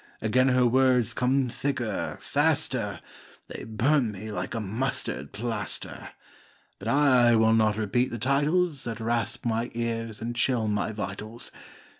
Again her words come thicker, faster, They burn me like a mustard plaster. But I will not repeat the titles That rasp my ears and chill my vitals.